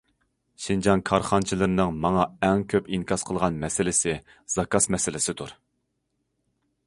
شىنجاڭ كارخانىچىلىرىنىڭ ماڭا ئەڭ كۆپ ئىنكاس قىلغان مەسىلىسى زاكاز مەسىلىسىدۇر.